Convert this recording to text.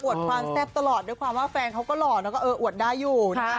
ความแซ่บตลอดด้วยความว่าแฟนเขาก็หล่อแล้วก็เอออวดได้อยู่นะฮะ